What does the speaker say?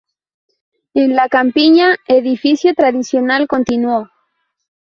En la campiña, edificio tradicional continuó.